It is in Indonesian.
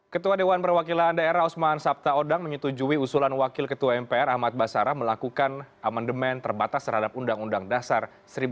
ketua dewan perwakilan daerah osman sabta odang menyetujui usulan wakil ketua mpr ahmad basara melakukan amandemen terbatas terhadap undang undang dasar seribu sembilan ratus empat puluh lima